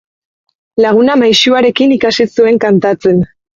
Laguna maisuarekin ikasi zuen kantatzen.